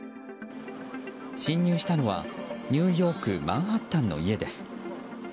侵入したのはニューヨークマンハッタンの家です。